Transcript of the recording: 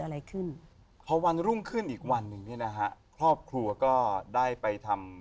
อะไรขึ้นพอวันรุ่งขึ้นอีกวันหนึ่งเนี่ยนะฮะครอบครัวก็ได้ไปทำ